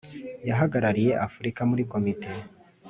yahagarariye Afurika muri Komite